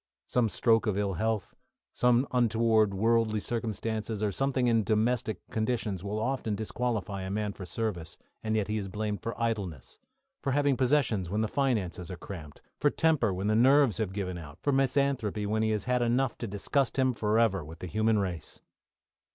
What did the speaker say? Some stroke of ill health; some untoward worldly [Transcriber's Note: original says "wordly"] circumstances, or something in domestic conditions will often disqualify a man for service; and yet he is blamed for idleness, for having possessions when the finances are cramped, for temper when the nerves have given out, for misanthropy when he has had enough to disgust him for ever with the human race.